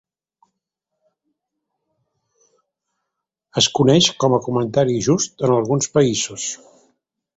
Es coneix com a comentari just en alguns països.